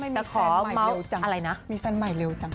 สามารถมีแฟนใหม่เร็วจัง